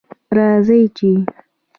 راځه چې